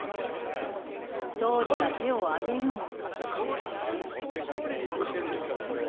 総理が手を上げるも。